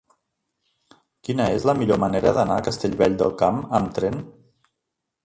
Quina és la millor manera d'anar a Castellvell del Camp amb tren?